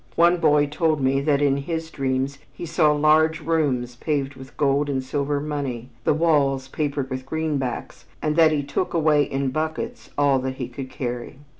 One boy told me that in his dreams he saw large rooms paved with gold and silver money, the walls papered with greenbacks, and that he took away in buckets all that he could carry.